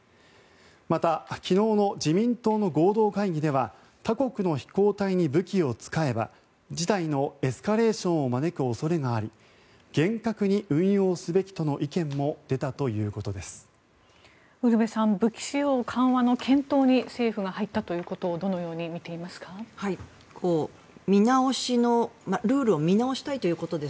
また、昨日の自民党の合同会議では他国の飛行体に武器を使えば事態のエスカレーションを招く恐れがあり厳格に運用すべきとの意見も出たということです。